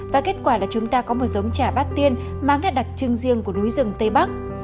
và kết quả là chúng ta có một giống trà bát tiên mang nét đặc trưng riêng của núi rừng tây bắc